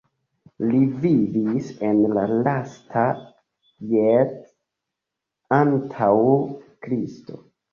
Li vivis en la lasta jc antaŭ Kristo.